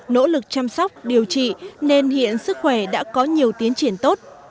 nỗ lực chăm sóc điều trị nên hiện sức khỏe đã có nhiều tiến triển tốt